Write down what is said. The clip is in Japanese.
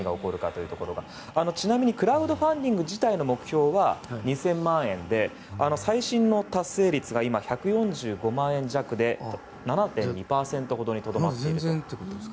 ちなみにクラウドファンディング自体の目標は２０００万円で最新の達成率が１４５万円弱で７．２％程度にとどまっていると。